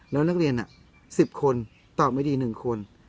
แล้วนักเรียนน่ะสิบคนตอบไม่ดีหนึ่งคน